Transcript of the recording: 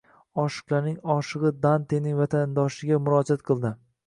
oshiqlarning oshig`i Dantening vatandoshiga murojaat qildi